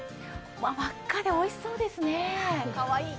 真っ赤でおいしそうですね、かわいい。